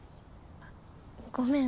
あっごめん。